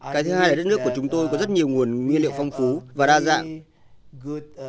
cái thứ hai là đất nước của chúng tôi có rất nhiều nguồn nguyên liệu phong phú và đa dạng